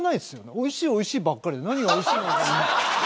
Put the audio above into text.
おいしい、おいしいばっかりで何がおいしいのか。